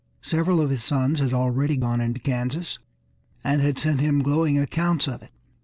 Several of his sons had already gone into Kansas, and had sent him glowing accounts of it.